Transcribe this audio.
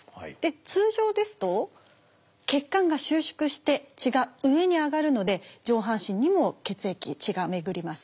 通常ですと血管が収縮して血が上に上がるので上半身にも血液血が巡ります。